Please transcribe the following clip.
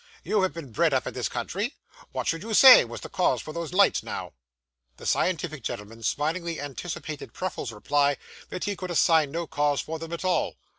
You have been bred up in this country. What should you say was the cause for those lights, now?' The scientific gentleman smilingly anticipated Pruffle's reply that he could assign no cause for them at all.